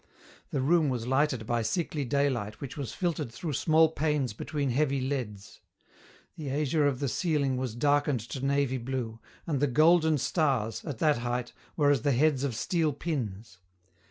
The room was lighted by sickly daylight which was filtered through small panes between heavy leads. The azure of the ceiling was darkened to navy blue, and the golden stars, at that height, were as the heads of steel pins.